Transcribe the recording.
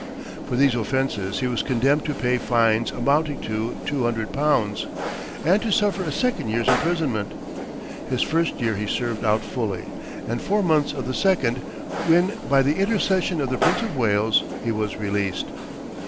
For these offenses he was condemned to pay fines amounting to two hundred pounds, and to suffer a second year's imprisonment. His first year he served out fully, and four months of the second, when by the intercession of the Prince of Wales he was released.